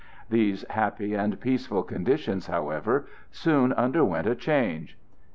These happy and peaceful conditions, however, soon underwent a change.